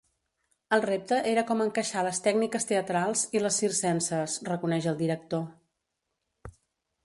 El repte era com encaixar les tècniques teatrals i les circenses, reconeix el director.